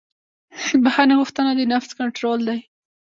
د بښنې غوښتنه د نفس کنټرول دی.